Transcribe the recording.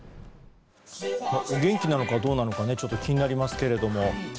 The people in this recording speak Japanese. お元気なのかどうかちょっと気になりますけれども。